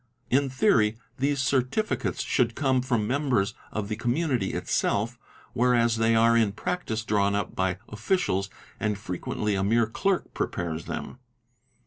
In theory these certificates should come from the members of the community itself, whereas they are in practice drawn up by officials and frequently a mere clerk prepares them.